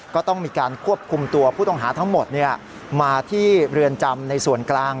ก็ต้องมีการควบคุมตัวผู้ต้องหาทั้งหมดมาที่เรือนจำในส่วนกลาง